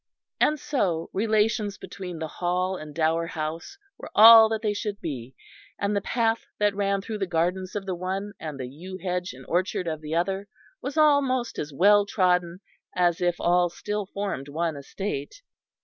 And so relations between the Hall and the Dower House were all that they should be, and the path that ran through the gardens of the one and the yew hedge and orchard of the other was almost as well trodden as if all still formed one estate.